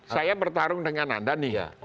saya bertarung dengan anda nih ya